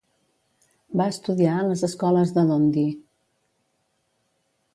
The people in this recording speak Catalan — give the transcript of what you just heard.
Va estudiar a les escoles de Dundee.